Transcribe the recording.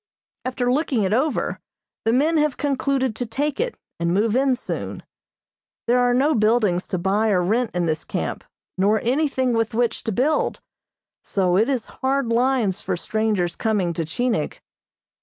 After looking it over, the men have concluded to take it, and move in soon. There are no buildings to buy or rent in this camp, nor anything with which to build, so it is hard lines for strangers coming to Chinik.